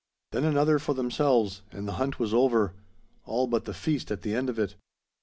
Then another for themselves, and the hunt was over, all but the feast at the end of it.